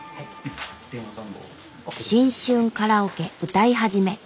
「新春カラオケ唄い始め」。